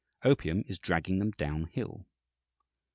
Opium is dragging them down hill.